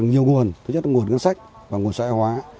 nhiều nguồn thứ nhất là nguồn ngân sách và nguồn xã hội hóa